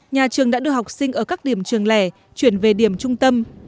nhà trường đã đưa học sinh ở các điểm trường lẻ chuyển về điểm trung tâm